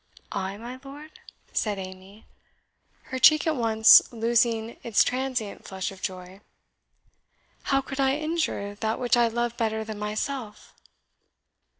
"I, my lord?" said Amy, her cheek at once losing its transient flush of joy "how could I injure that which I love better than myself?"